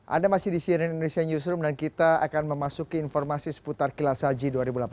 anda masih di cnn indonesia newsroom dan kita akan memasuki informasi seputar kilas haji dua ribu delapan belas